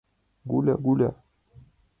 — Гуля, Гуля.